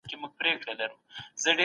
جزيه د زکات په بدل کي ده.